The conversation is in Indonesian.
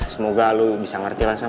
semoga lo bisa ngerti lah sam